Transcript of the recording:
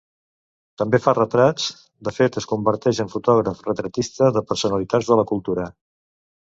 També fa retrats; de fet, es converteix en fotògraf retratista de personalitats de la cultura.